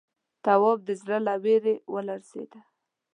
تواب زړه له وېرې ولړزېد.